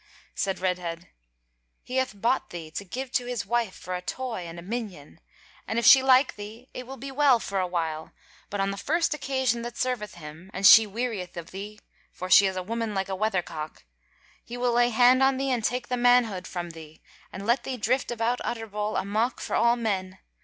Said Redhead; "He hath bought thee to give to his wife for a toy and a minion, and if she like thee, it will be well for a while: but on the first occasion that serveth him, and she wearieth of thee (for she is a woman like a weather cock), he will lay hand on thee and take the manhood from thee, and let thee drift about Utterbol a mock for all men.